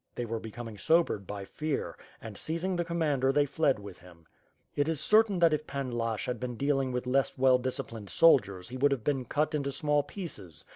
They were be coming sobered by fear, and, seizing the commander they fled with him. It is certain that if Pan Lashch had been dealing with less well disciplined soldiers he would have been cut into small pieces.